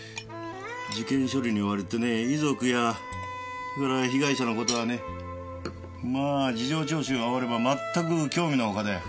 事件処理に追われてねぇ遺族やそれから被害者の事はねまぁ事情聴取が終わればまったく興味のほかだよ。